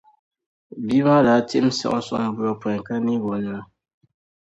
bia maa daa tihim siɣimsiɣim buyopɔin, ka neeg’ o nina.